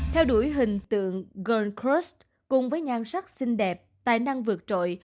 theo đuổi hình tượng girl crush cùng với nhan sắc xinh đẹp tài năng vượt trội